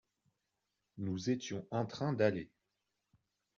Nous étions en train d’aller.